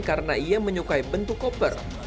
karena ia menyukai bentuk koper